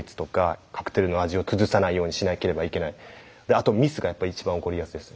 あとミスが一番起こりやすいです。